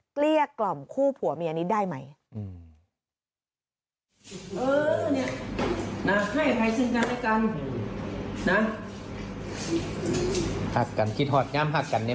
เกลี้ยกล่อมคู่ผัวเมียนี้ได้ไหม